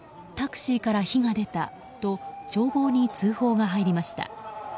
タクシーから火が出たと消防に通報が入りました。